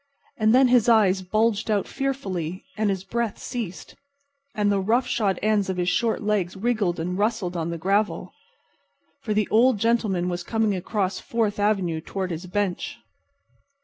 And then his eyes bulged out fearfully, and his breath ceased, and the rough shod ends of his short legs wriggled and rustled on the gravel. For the Old Gentleman was coming across Fourth avenue toward his bench.